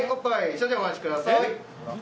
少々お待ちください。